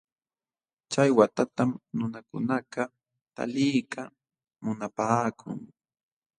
Chay waytatam nunakunakaq taliyta munapaakun.